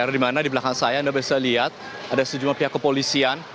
di mana di belakang saya anda bisa lihat ada sejumlah pihak kepolisian